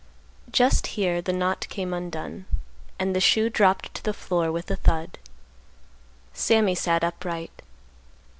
Just here the knot came undone, and the shoe dropped to the floor with a thud. Sammy sat upright.